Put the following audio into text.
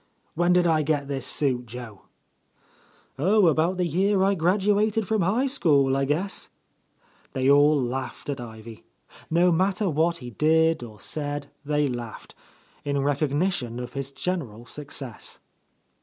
When did I get this suit, Joe ?" "Oh, about the year I graduated from High School, I guess!" They all laughed at Ivy. No matter what he did or said, they laughed, — in recognition of his general success.